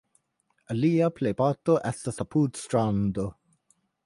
Ilia plejparto estas apud strando.